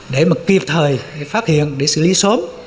để mà kịp thời phát hiện để xử lý sớm